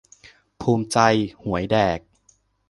ภูมิใจ หวยแดก